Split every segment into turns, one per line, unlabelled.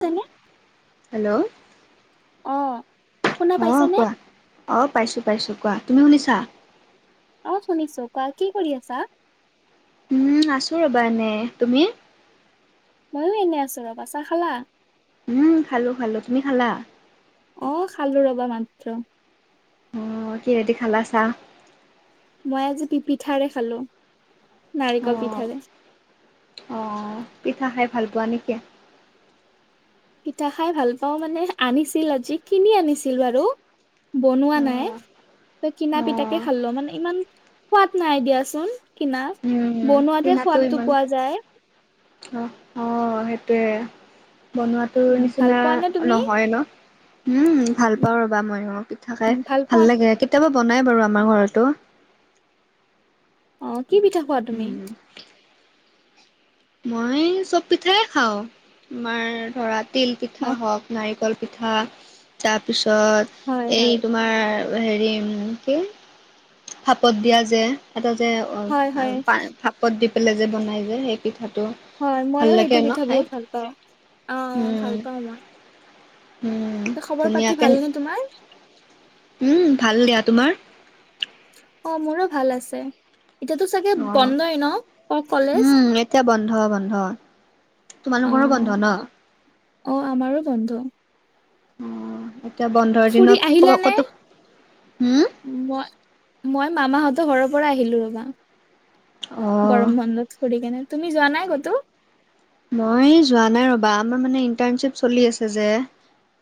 শুনিছানে,
হেল্ল'
অ। শুনা
অ
পাইছানে
কোৱা, অ পাইছো পাইছো কোৱা তুমি শুনিছা?
অ শুনিছো কোৱা কি কৰি আছা?
উম আছো ৰবা এনেই, তুমি?
মইয়ো এনে আছো ৰবা, চাহ খালা?
উম খালো খালো তুমি খালা?
অঁ খালো ৰবা মাত্ৰ।
অঁ, কিহেদি খালা চাহ?
মই আজি পিঠাৰে খালো, নাৰিকল পিঠাৰে‌।
অঁ, পিঠা খাই ভাল পোৱা নেকি?
পিঠা খাই ভাল পাওঁ মানে আনিছিল, আজি কিনি আনিছিল বাৰু। বনোৱা
অ
নাই। তই কিনা
অ
পিঠাকে খালো মানে ইমান সোৱাদ নাই দিয়াচোন কিনা। বনোৱাতহে
কিনাটো
সোৱাদটো
ইমান
পোৱা যায়
অ, অঁ সেইটোয়ে বনোৱাত- তোৰ
উম, ভাল
নিচিনা
পোৱা নে তুমি
নহয় ন, উম ভাল পাওঁ ৰ'বা মইও- থাকাই
উম,
ভাল
পোৱা
লাগে কেতিয়াবা বনাই বাৰু আমাৰ ঘৰতো।
অঁ, কি পিঠা খোৱা তুমি?
উম মই চব পিঠাই খাওঁ, তোমাৰ ধৰা তিল
অ
পিঠা হওক নাৰিকল। পিঠা,
হয়
তাৰপিছত এই
হয়
তোমাৰ- হেৰি কি, ভাপত দিয়া যে - এটা যে
হয় হয়
প ভাপত দি পেলাই যে বনাই যে সেই পিঠাটো।
হয়
ভাল
মইও
লাগে
সেইটো
ন
পিঠা
খাই
বহুত ভাল পাওঁ, অ
উম
ভাল পাওঁ মই।
উম
খবৰ পাতি
ধুনীয়াকে
ভালনে তোমাৰ?
উম ভাল দিয়া তোমাৰ?
অ মোৰো ভাল আছে, এতিয়াতো চাগে
অ
বন্ধই ন ক কলেজ।
উম এতিয়া বন্ধ বন্ধ,
অ
তোমালোকৰো বন্ধ ন‌?
অ আমাৰো বন্ধ।
অ এতিয়া বন্ধৰ
ফুৰি
দিনত
আহিলা
ক'ব
নে?
ক'তো, হম-
মই মই মামাহঁতৰ ঘৰৰ পৰা আহিলো ৰবা,
অ
গৰম বন্ধত। সৰি কেনে তুমি যোৱা নাই কতো-
মই যোৱা নাই ৰ'বা আমাৰ মানে ইণ্টাৰণশ্বিপ চলি আছে যে।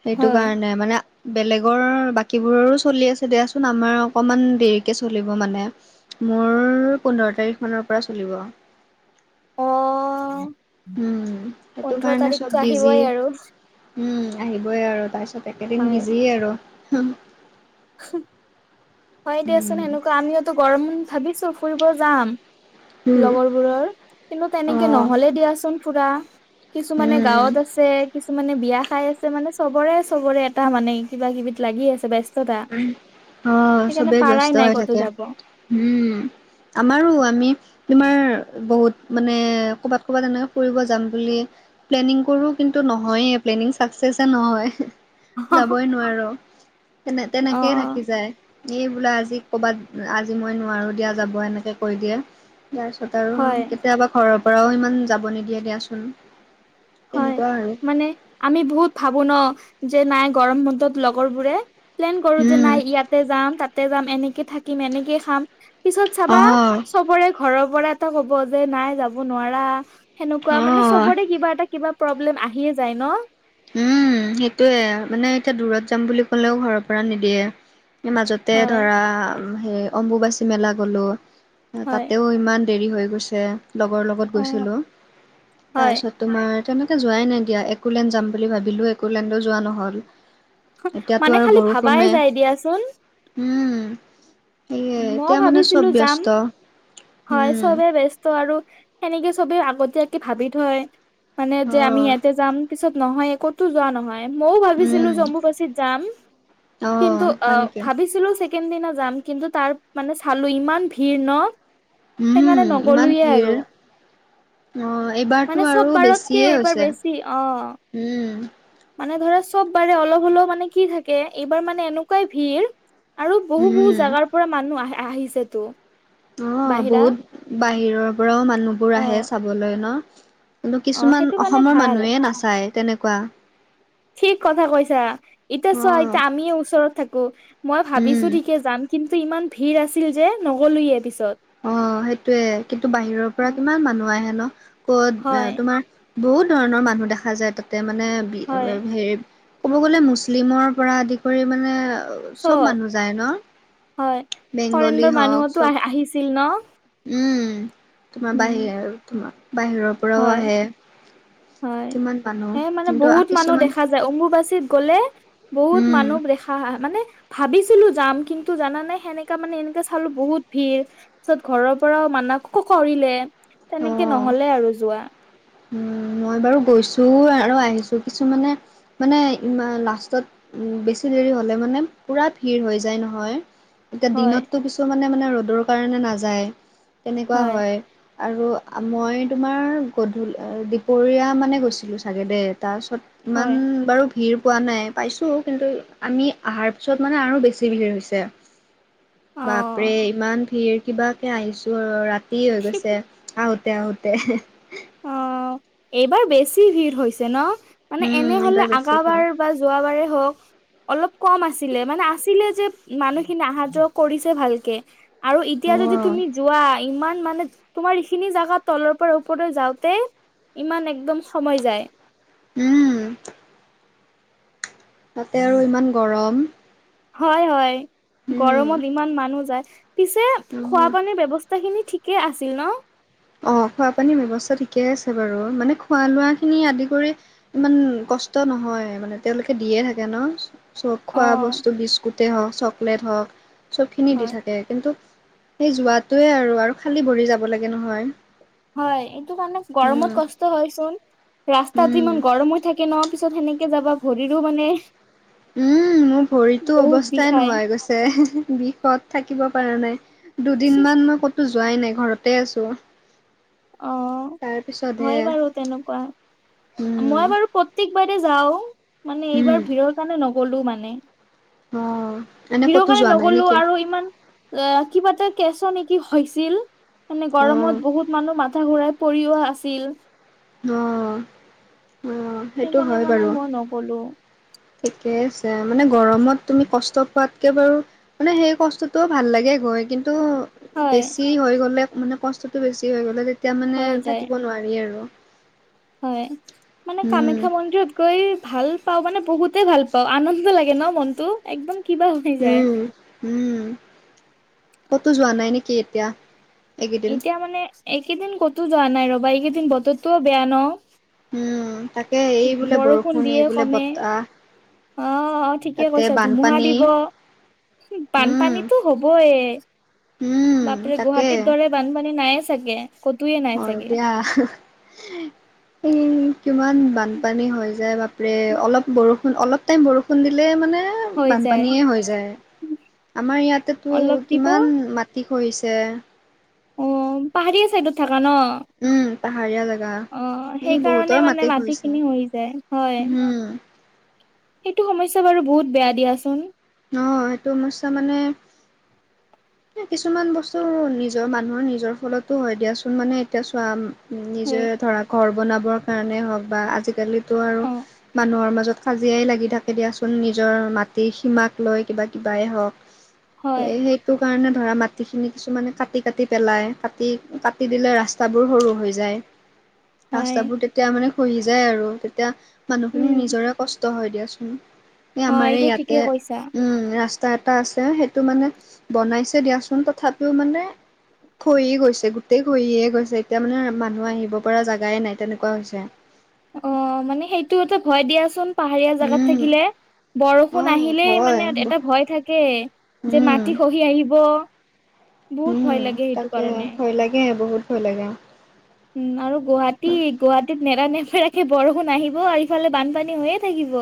সেইটো
হয়।
কাৰণে মানে- বেলেগৰ বাকীবোৰৰো চলি আছে দিয়াচোন, আমাৰ অকমান দেৰিকে চলিব মানে। মোৰ পোন্ধৰ তাৰিখ মানৰ পৰা চলিব।
অ
উম সেইটো
পোন্ধৰ
কাৰণে চব
তাৰিখটো
বিজি
আহিবই আৰু।
উম আহিবই আৰু তাৰ পিছত একেদিন
হয়
বিজি আৰু।
হয় দিয়াচোন
উম,
সেনেকুৱা আমিওতো গৰম ভাবিছো ফুৰিব যাম। লগৰবোৰৰ, কিন্তু
অ
তেনেকে নহলে দিয়াচোন ফুৰা। কিছুমানে
উম
গাঁৱত আছে, কিছুমানে বিয়া খাই আছে মানে চবৰে চবৰে- টা মানে কিবা কিবিত লাগি আছে বেচ -
উমহ, অঁ চবেই
পাৰাই
ব্যস্ত
নাই
হৈ
ক'তো
থাকে
যাব।
উম। আমাৰো আমি- তোমাৰ বহুত মানে কবাত কবাত এনেকে ফুৰিব যাম বুলি প্লেনিং কৰো কিন্তু নহয়েই প্লেনিং চাকচেছে নহয়, যাবই নোৱাৰো তেনে
অ
তেনেকেই থাকি যায়। এই বোলে আজি ক'ৰবাত আজি মই নোৱাৰোঁ দিয়া যাব এনেকৈ কৈ দিয়ে। ইয়াৰ পিছত আৰু
হয়
কেতিয়াবা ঘৰৰ পৰাও ইমান যাব নিদিয়ে দিয়াচোন
হয়,
তেনেকুৱা আৰু
মানে আমি বহুত ভাবো ন যে নাই গৰম বন্ধত লগৰ বোৰে প্লেন কৰো যে
উম,
নাই ইয়াতে যাম, তাতে যাম এনেকে থাকিম এনেকে খাম পিছত চাবা
অ',
চবৰে ঘৰৰ পৰা এটা কব যে নাই যাব নোৱাৰা সেনেকুৱা মানে
অ'।
চবৰে কিবা এটা কিবা প্ৰব্লেম আহিয়ে যায় ন?
উম! সেইটোয়ে মানে এতিয়া দূৰত যাম বুলি ক'লেও ঘৰৰ পৰা নিদিয়ে মাজতে
হয়
ধৰা হে অম্বুবাচী মেলা গলো
হয়
তাতেও ইমান দেৰি হৈ গৈছে, লগৰ লগত
অ
গৈছিলোঁ,
হয়
তাৰপিছত তোমাৰ তেনেকে যোৱাই নাই দিয়া একোলেণ্ড যাম বুলি ভাবিলো, একোলেণ্ডো যোৱা নহল এতিয়াতো
মানে
আৰু
খালি ভাবাই
বৰষুণে,
যায় দিয়াচোন
উম। সেয়ে
মই
এতিয়া মানে চব
ভাবিছিলো যাম,
ব্যস্ত
হয়
উম।
চবে ব্য স্ত আৰু সেনেকে চবেই আগতীয়াকে ভাবি থয় মানে যে আমি
অ',
ইয়াতে যাম পিছত নহয়ে কতো যোৱা নহয় মই ভাবিছিলো
উম,
যে অম্বুবাচী যাম কিন্তু অ
হয় নেকি?
ভাবিছিলো চেকেণ্ড দিনা যাম কিন্তু তাৰ মানে চালো ইমান ভিৰ ন?
উম,
সেইকাৰণে
ইমান
নগলোএ
ভিৰ
আৰু
অ', এইবাৰতো
মানে
আৰু
চব বাৰতকে
বেছিয়ে
এইবাৰ
হৈছে
বেছি, অ।
উম।
মানে ধৰা চব বাৰে অলপ হলেও মানে কি থাকে এইবাৰ মানে এনেকুৱাই ভিৰ আৰু বহু- বহু
উম
জাগাৰ পৰা মানুহ আহি আহিছেতো
অ
বাহিৰা
বহুত বাহিৰৰ পৰাও মানুহবোৰ
অ
আহে চাবলৈ ন? কিন্তু
অ
কিছুমান
সেইটো কাৰণে
অসমৰ
ভাল
মানুহে নাচায় তেনেকুৱা
ঠিক কথা কৈছা। এতিয়া
অ
চোৱা এতিয়া আমিয়ে ওচৰত থাকো মই
উম
ভাবিছো ঠিকে যাম কিন্তু ইমান ভিৰ আছিল যে নগলোৱে পিছত
অ সেইটোয়ে, কিন্তু বাহিৰৰ পৰা কিমান মানুহ আহে ন ক'ত এ
হয়
তোমাৰ বহুত ধৰণৰ মানুহ দেখা যায় তাতে মানে বি
হয়
হেৰি ক'ব গ'লে মুছলিমৰ পৰা আদি কৰি মানে চব মানুহ যায় ন?
হয় ফৰেনৰ
বেংগলী হওক
মানুহতো আহ
চব
আহিছিল ন?
উম, তোমাৰ
উম
বাহিৰা আৰু তোমাৰ বাহিৰৰ পৰাও
হয়,
আহে
হয়,
কিমান মানুহ
সেই মানে
কিন্তু
বহুত মানুহ
কিছুমান
দেখা যায় অম্বুবাচীত গ'লে বহুত
উম
মানুহ দেখা হা হা মানে ভাবিছিলো যাম কিন্তু জানা নে সেনেকা মানে এনেকা চালো বহুত ভিৰ তাৰপাছত ঘৰৰ পৰাও মানা ক -কৰিলে তেনেকে
অ',
নহলে আৰু যোৱা
উম, মই বাৰু গৈছো আৰু আহিছো কিছুমানে মানে ই লাষ্টত বেছি দেৰি হ'লে মানে পুৰা ভিৰ হৈ যায় নহয় এতিয়া
হয়
দিনততো কিছুমানে মানে ৰ'দৰ কাৰণে নাযায়, তেনেকুৱা হয় আৰু মই তোমাৰ গধূ ল অ দুপৰীয়া মানে গৈছিলোঁ চাগে দে তাৰপিছত ইমান
হয়
বাৰু ভিৰ পোৱা নাই পাইছোঁ কিন্তু আমি অহাৰ পিছত মানে আৰু বেছি ভিৰ হৈছে
অ
বাপৰে ইমান ভিৰ কিবাকে আহিছো ৰাতি হৈ গৈছে আহোতে আহোতে
অ এইবাৰ বেছি ভিৰ হৈছে ন? মানে
উম এইবাৰ
এনেহলে
বেছিকে
আগাবাৰ বা যোৱাবাৰে হওঁক অলপ কম আছিলে মানে আছিলে যে মানুহখিনি অহা যোৱা কৰিছে ভালকে আৰু
অ
এতিয়া যদি তুমি যোৱা ইমান মানে তোমাৰ এইখিনি জেগাত তলৰ পৰা ওপৰৰ যাওঁতে ইমান একদম সময় যায়
উম, তাতে আৰু ইমান গৰম।
হয় -হয়
উম
গৰমত ইমান মানুহ যায়, পিছে
অ
খোৱা পানীৰ ব্যৱস্থ া খিনি ঠিকেই আছিল ন?
অ খোৱা পানীৰ ব্যৱস্থা ঠিকেই আছে বাৰু মানে খোৱা-লোৱা খিনি আদি কৰি। ইমান কষ্ট নহয় মানে তেওঁলোকে দিয়ে থাকে ন। চ
অ
খোৱা বস্তু বিস্কুটে হওঁক চকলেট হওঁক চবখিনি দি
হয়
থাকে কিন্তু, সেই যোৱাটোৱে আৰু আৰু খালী ভৰি যাব লাগে নহয়।
হয় এইটো কাৰণে
উম
গৰমত কষ্ট হয়চোন। ৰাস্তাতো
উম
ইমান গৰম হৈ থাকে ন পিছত সেনেকে যাবা ভৰিৰো মানে,
উম মোৰ ভৰিতো
বহুত
অৱস্থাই
বিষাই
নোহোৱা হৈ গৈছে বিষত থাকিব পৰা নাই। দুদিনমান মই ক'তো যোৱাই নাই ঘৰতে আছোঁ।
অ হয় বাৰু তেনেকুৱা। মই
উম,
বাৰু প্ৰত্যেকবাৰে যাওঁ মানে
উম,
এইবাৰ ভিৰৰ কাৰণে নগলো মানে।
অ', এনে
ভিৰৰ
ক'তো
কাৰণে
যোৱা নাই
নগলো
নেকি?
আৰু ইমান অ কিবা এটা কেচৰ নেকি হৈছিল মানে
অ',
গৰমত বহুত মানুহ মাথা ঘূৰাই, পৰিও আছিল।
অ অ সেইটো
সেইকাৰণে
হয়
মানে
বাৰু,
মই নগলো
ঠিকে আছে মানে গৰমত তুমি কষ্ট পোৱাতকে বাৰু, মানে সেই কষ্টতো ভাল লাগে গৈ কিন্তু,
হয়
বেছি হৈ গ'লে মানে কষ্টটো বেছি হৈ গ'লে তেতিয়া মানে
হৈ যায়
থাকিব নোৱাৰি আৰু
হয় মানে
উম,
কামাখ্যা মন্দিৰত গৈ ভাল। পাওঁ মানে বহুতে ভাল পাওঁ আনন্দ লাগে ন মনতো একদম কিবা হৈ যায়।
উম, উম কতো যোৱা নাই নেকি এতিয়া। এইকেইদিন?
এতিয়া মানে এইকেইদিন কতো যোৱা নাই ৰবা এইকেইদিন বতৰটোও বেয়া ন।
উম তাকে এই বোলে বৰষুণ,
দিয়ে
এই বোলে
কমে
বতাহ।
অ অ ঠিকে
তাতে
কৈছা ধুমুহা
বানপানী
দিব।
উম,
বানপানীতো হবই,
উম,
বাপৰে
তাকে
গুৱাহাটীৰ দৰে বানপানী নাইয়ে চাগে, কতোৱে নাই
অ
চাগে
দিয়া কিমান বানপানী হৈ যায় বাপ লে অলপ বৰষুণ অলপ টাইম বৰষুণ দিলে মানে।
হৈ যায়
বানপানীয়ে হৈ যায় আমাৰ ইয়াতেতো
অলপ দিব
কিমান
অ
মাত, কি কৰিছে।
অ পাহাৰীয়া চাইডত থাকা ন।
উম, পাহাৰীয়া জেগা।
অ
এই
সেইকাৰণে
বহুতৰ
মানে মাটি
খহিছে
খিনি হৈ যায় হয়।
উম,
সেইটো সমস্যা বাৰু বহুত বেয়া দিয়াচোন।
অ সেইটো সমস্যা মানে কিছুমান বস্তু নিজৰ মানুহৰ নিজৰ ফলতো হয় দিয়াচোন মানে এতিয়া চোৱা নিজে
হয়
ধৰা ঘৰ বনাবৰ কাৰণে হওঁক বা আজিকালিতো আৰু
অ
মানুহৰ মাজত কাজিয়াই লাগি থাকে দিয়াচোন নিজৰ মাটিৰ সীমাক। লৈ কিবা কিবাই হওঁক
হয়
সেয়েহে সেইটো কাৰণে ধৰা মাটিখিনি কিছুমানে কাটি কাটি পেলাই কাটি কাটি দিলে ৰাস্তাবোৰ সৰু হৈ যায়।
[inaudible]
ৰাস্তাবোৰ তেতিয়া মানে খহি যায় আৰু তেতিয়া মানুহখিনি
উম
নিজৰে কষ্ট হয় দিয়াচোন। এই
হয়
আমাৰে
এইটো ঠিকে
ইয়াতে
কৈছা
উম ৰাস্তা এটা আছে সেইটো মানে বনাইছে দিয়াচোন তথাপিও মানে, খঢ়ি গৈছে গোটেই খঢ়ি গৈছে এতিয়া মানে মানুহ আহিব পৰা জেগাই নাই তেনেকুৱা হৈছে।
অ মানে সেইটো এটা ভয় দিয়াচোন। পাহাৰীয়া জেগাত
উম
থাকিলে বৰষুণ
অ'
আহিলেই
ভয়
মানে এটা ভয় থাকেই। যে
উম
মাটি খহি আহিব।
উ
বহুত ভয় লাগে সেইটো
তাকে
কাৰণে
ভয় লাগে বহুত ভয় লাগা।
উম আৰু গুৱাহাটী গুৱাহাটীত নেৰানেপেৰা কে বৰষুণ আহিব আৰু ইফালে বানপানী হৈয়ে থাকিব।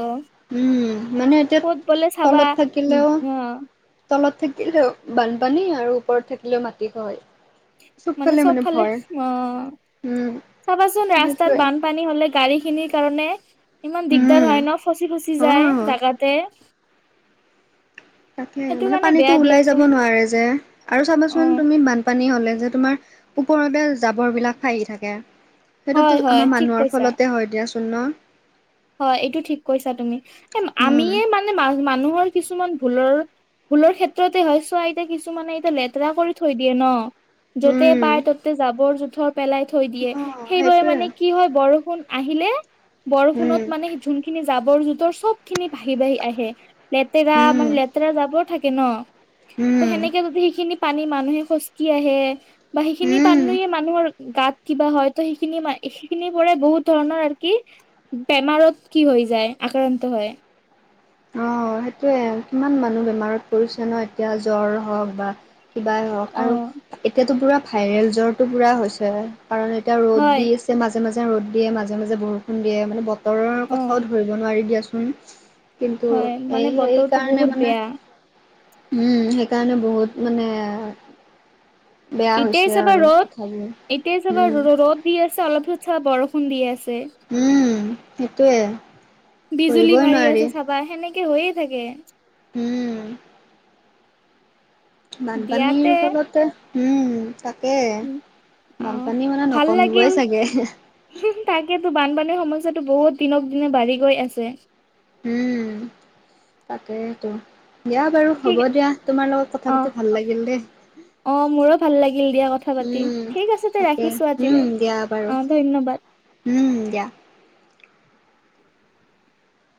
উম মানে এতিয়া
ক'ত গ'লে চাবা
তলত
উম
থাকিলেও
অ
তলত থাকিলেও বানপানী আৰু ওপৰত থাকিলেও মাটি খহে।
মানে চবফালে, অ
উম
চাবাচোন ৰাস্তাত
সেইটোৱে
বান পানী হলে গাড়ী খিনিৰ কাৰণে ইমান দিগদাৰ
উম
হয় ন ফচি ফচি যায়
অ'
জেগাতে।
তাকে মানে
কাৰণে
পানীটো
বেয়া
ওলাই যাব
দিয়াচোন
নোৱাৰে যে আৰু
অ
চাবাচোন তুমি বান পানী হলে যে তোমাৰ ওপৰতে জাবৰ বিলাক ফাহি থাকে।
হয়
সেইটোতো
হয়
আমাৰ
ঠিক
মানুহৰ
কৈছা।
ফলতে হয় দিয়াচোন ন।
হয় এইটো ঠিক কৈছা তুমি এ
উম,
আমিয়ে মানে ম মানুহৰ কিছুমান ভুলৰ ভুলৰ ক্ষেত্ৰতে হয় চোৱা এতিয়া কিছুমানে এতিয়া লেতেৰা কৰি থৈ দিয়ে ন। য'তে পাই
উম।
ততে জাবৰ- জোথৰ পেলাই থৈ দিয়ে
অ',
সেইবাবে
সেইটোৱে।
মানে কি হয় বৰষুণ আহিলে বৰষুণত
উম,
সেই যোনখিনি জাবৰ- জোতৰ চব খিনি ভাহি বাঢ়ি আহে লেতেৰা
উম,
মানে লে তেৰা যাবৰ থাকে ন ত
উম,
সেনেকে যদি সেইখিনি পানী মানুহে খোজকি আহে। বা সেইখিনি
উম।
পানীয়ে মানুহৰ গাত কিবা হয় ত সেইখিনি ম সেইখিনিৰ পৰাই বহুত ধৰণৰ আৰু কি বেমাৰত কি হৈ যায় আক্ৰান্ত হয়।
অ সেইটোয়ে কিমান মানুহ বেমাৰত পৰিছে ন এতিয়া জ্বৰ হওঁক বা। কিবাই হওঁক
অ
আৰু এতিয়াতো পুৰা ভাইৰেল জ্বৰটো পুৰা হৈছে কাৰণ এতিয়া ৰ'দ
হয়
দিছ যে মাজে মাজে ৰ'দ দিয়ে মাজে মাজে বৰষুণ দিয়ে মানে বতৰৰ
অ
কথাও ধৰিব নোৱাৰি দিয়াচোন। কিন্তু
হয় মানে
এই এই
বতৰটো
কাৰণে
বহুত
মানে
বেয়া
উম, সেইকাৰণে বহুত মানে। বেয়া
এতিয়াই
হৈছে
চাবা
আৰু
ৰ'দ
কথাবোৰ
এতিয়াই চাবা
উম
ৰ ৰ'দ দি আছে অলপ পিছত চাবা বৰষুণ দি আছে।
উম সেইটোৱে ধৰিবই নোৱাৰি।
বা সেনেকে হৈয়ে থাকে।
উম। বানপানীৰ
দিয়াতে
ফলতে উম তাক কে
অ
বানপানী মানে নকমিবই চাগে।
হো তাকেতো বানপানীৰ সমস্যাটো বহুত দিনক দিনে বাঢ়ি গৈ আছে।
উম তাকেইটো। দিয়া বাৰু
ঠিক
হ'ব দিয়া, তোমাৰ লগত কথা
অ
পাতি ভাল লাগিল দেই।
অ মোৰো ভাল লাগিল দিয়া কথা পাতি,
উম
ঠিক আছে দে
তাকে
ৰাখিছো
উম
আজিলে
দিয়া বাৰু
অ ধন্যবাদ।
উম! দিয়া।